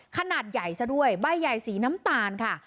ขนาดใหญ่ซะด้วยใบใหญ่สีน้ำตาลค่ะ